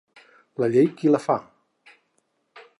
La llei qui la fa?